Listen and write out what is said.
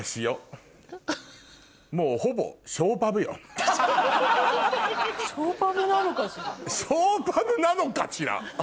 「ショーパブなのかしら？」